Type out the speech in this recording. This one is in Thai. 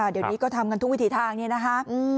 เดี๋ยวนี้ก็ทำกันทุกวิถีทางเนี่ยนะคะ